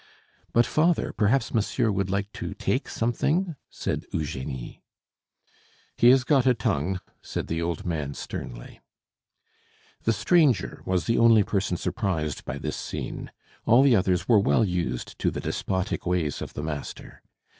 "But, father, perhaps monsieur would like to take something," said Eugenie. "He has got a tongue," said the old man sternly. The stranger was the only person surprised by this scene; all the others were well used to the despotic ways of the master.